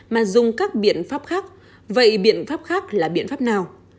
mà dùng các biện pháp khác vậy biện pháp khác là biện pháp nào